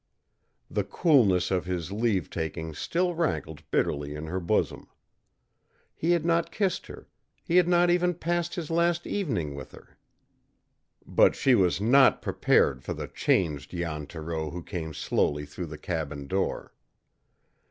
The coolness of his leave taking still rankled bitterly in her bosom. He had not kissed her; he had not even passed his last evening with her. But she was not prepared for the changed Jan Thoreau who came slowly through the cabin door.